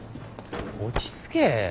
落ち着け。